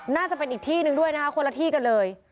น่าจะเป็นอีกที่หนึ่งด้วยนะคะคนละที่กันเลย